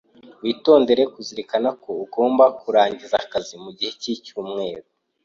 Witondere kuzirikana ko ugomba kurangiza akazi mugihe cyicyumweru.